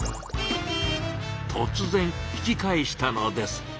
とつ然引き返したのです。